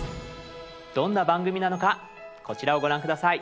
どんな番組なのかこちらをご覧下さい。